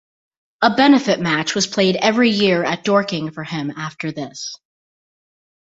A benefit match was played every year at Dorking for him after this.